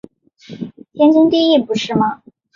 天经地义不是吗？